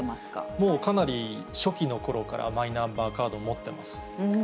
もうかなり初期のころからマイナンバーカード持ってます。